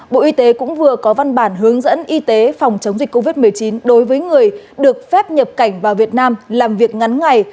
bộ y tế cũng vừa có văn bản hướng dẫn y tế phòng chống dịch covid một mươi chín đối với người được phép nhập cảnh vào việt nam làm việc ngắn ngày